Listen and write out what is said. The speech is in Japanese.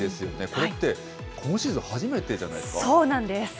これって今シーズン初めてじゃないですか。